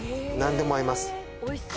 何でも合います。